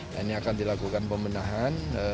ini akan dilakukan pembenahan